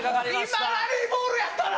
今、ラリーボールやったら！